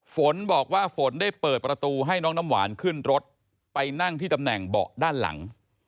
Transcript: ฝนบอกว่าฝนได้เปิดประตูให้น้องน้ำหวานขึ้นรถไปนั่งที่ตำแหน่งเบาะด้านหลัง